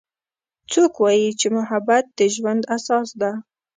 څوک وایي چې محبت د ژوند اساس ده